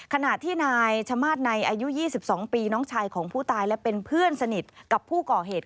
ขณะที่นายชะมาตรในอายุ๒๒ปีน้องชายของผู้ตายและเป็นเพื่อนสนิทกับผู้ก่อเหตุ